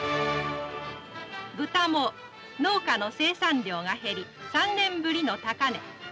豚も農家の生産量が減り３年ぶりの高値。